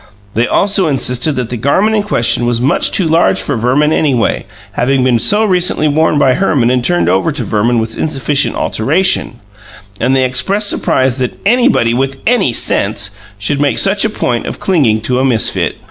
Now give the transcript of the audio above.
They also insisted that the garment in question was much too large for Verman, anyway, having been so recently worn by Herman and turned over to Verman with insufficient alteration, and they expressed surprise that "anybody with any sense" should make such a point of clinging to a misfit.